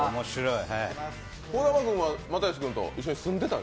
児玉君は又吉君と一緒に住んでたの？